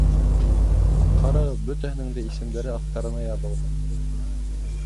Ҡарағыҙ, бөтәһенең дә исемдәре аҫтарына яҙылған.